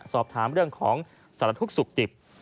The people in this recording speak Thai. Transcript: สอบถามเรื่องของสลัดภูกษ์สุขติบ